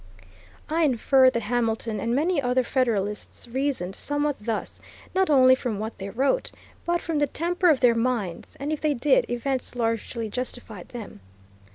" I infer that Hamilton and many other Federalists reasoned somewhat thus, not only from what they wrote, but from the temper of their minds, and, if they did, events largely justified them.